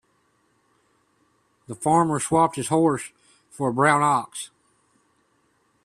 The farmer swapped his horse for a brown ox.